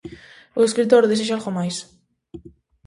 O escritor desexa algo máis.